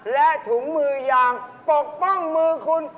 และถุงมือยางปกป้องมือคุณ